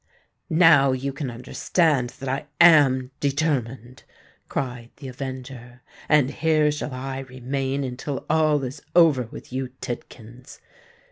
"Now you can understand that I am determined!" cried the avenger. "And here shall I remain until all is over with you, Tidkins.